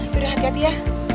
bu rehat rehat ya